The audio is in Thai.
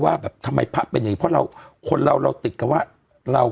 ว่าแบบทำไมพระเป็นอย่างนี้เพราะเราคนเราเราติดกันว่าเรา